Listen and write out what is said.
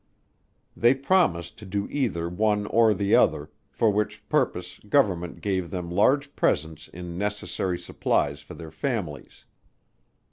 They promised to do either one or the other; for which purpose Government gave them large presents in necessary supplies for their families.